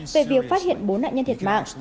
về việc phát hiện bốn nạn nhân thiệt mạng